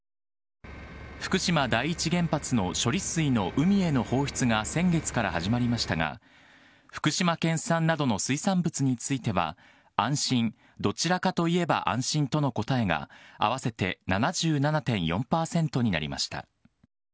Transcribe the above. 福島第一原発の処理水の海への放出が先月から始まりましたが、福島県産などの水産物については、安心、どちらかといえば安心との答えが、合わせて７７．４％になりました。